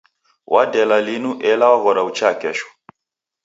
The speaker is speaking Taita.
Wadela linu ela waghora uchaa kesho.